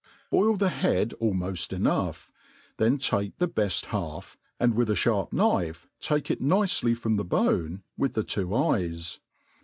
BOIL the bead almoft enough, Chen take the beft half, and with a (harp knife take it nicely from the bone, with tbetwd eyes.